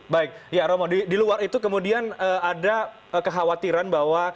baik ya romo di luar itu kemudian ada kekhawatiran bahwa